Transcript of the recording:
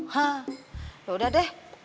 hah yaudah deh